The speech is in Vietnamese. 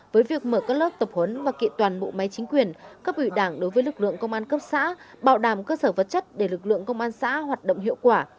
với việc mở các lớp tập huấn và kị toàn bộ máy chính quyền cấp ủy đảng đối với lực lượng công an cấp xã bảo đảm cơ sở vật chất để lực lượng công an xã hoạt động hiệu quả